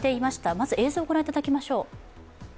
まず映像をご覧いただきましょう。